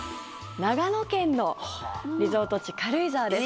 長野県のリゾート地軽井沢です。